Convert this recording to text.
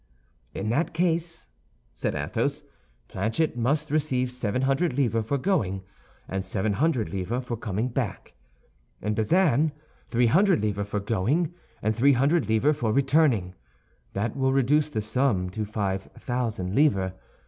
"In that case," said Athos, "Planchet must receive seven hundred livres for going, and seven hundred livres for coming back; and Bazin, three hundred livres for going, and three hundred livres for returning—that will reduce the sum to five thousand livres.